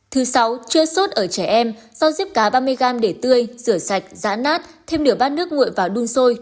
thứ sáu chữa sốt ở trẻ em rau diếp cá ba mươi g để tươi rửa sạch dã nát thêm nửa bát nước nguội vào đun sôi